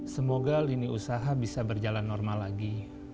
semoga lini usaha bisa berjalan normal lagi